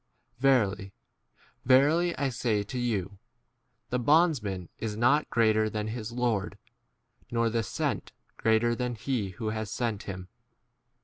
Verily, verily, I say to you, The bondsman is not greater than his lord, nor the sent k greater than he who 17 has sent him.